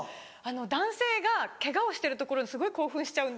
男性がケガをしてるところにすごい興奮しちゃうんですよ。